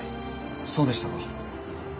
そうでしたか。